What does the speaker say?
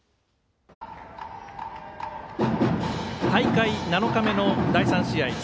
大会７日目の第３試合。